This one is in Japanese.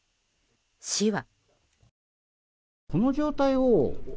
市は。